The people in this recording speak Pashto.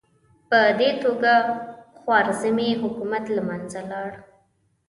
په دې توګه خوارزمي حکومت له منځه لاړ.